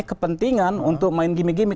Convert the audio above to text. yang kepentingan untuk main gimik gimik